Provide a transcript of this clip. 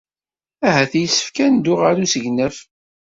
Ahat yessefk ad neddu ɣer usegnaf.